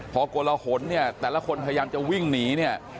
พอกลหนเนี่ยแต่ละคนพยายามจะวิ่งหนีเนี่ย